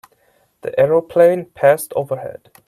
The aeroplane passed overhead.